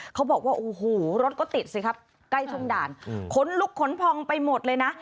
ขนลุกขนพองไปหมดเลยนะ